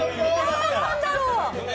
何だろう。